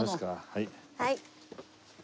はい。